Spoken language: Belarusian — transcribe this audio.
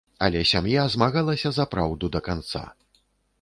Але сям'я змагалася за праўду да канца.